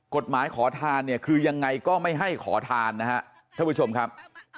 ขอทานเนี่ยคือยังไงก็ไม่ให้ขอทานนะฮะท่านผู้ชมครับ